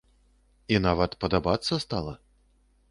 І нават падабацца стала.